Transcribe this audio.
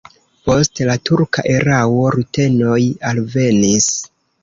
Post la turka erao rutenoj alvenis.